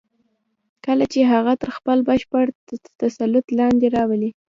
کله چې هغه تر خپل بشپړ تسلط لاندې راولئ.